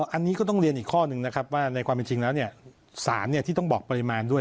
อันนี้ก็ต้องเรียนอีกข้อนึงนะครับว่าในความเป็นจริงแล้วสารที่ต้องบอกปริมาณด้วย